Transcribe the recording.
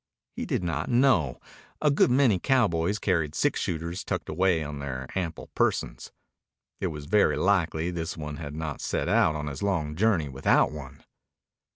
He did not know. A good many cowboys carried six shooters tucked away on their ample persons. It was very likely this one had not set out on his long journey without one.